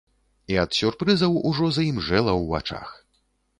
І ад сюрпрызаў ужо заімжэла ў вачах.